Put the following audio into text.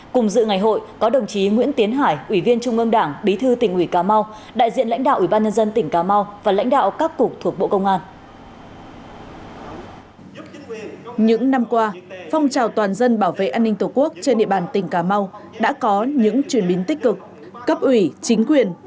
cùng dự ngày hội có đồng chí nguyễn tiến hải ủy viên trung ương đảng bí thư tỉnh ủy cà mau đại diện lãnh đạo ủy ban nhân dân tỉnh cà mau và lãnh đạo các cục thuộc bộ công an